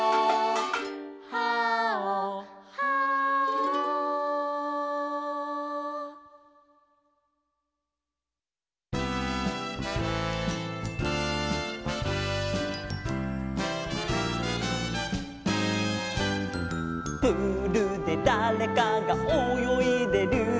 「ハオハオ」「プールでだれかがおよいでる」